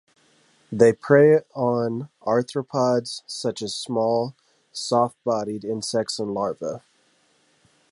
They prey on arthropods such as small, soft-bodied insects and larvae.